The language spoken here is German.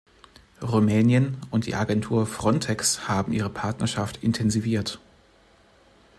Rumänien und die Agentur Frontex haben ihre Partnerschaft intensiviert.